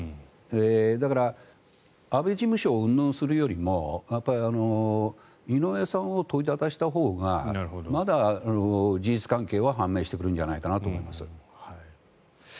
だから、安倍事務所をうんぬんするよりも井上さんを問いただしたほうがまだ事実関係は反映してくるんじゃないかなと思います。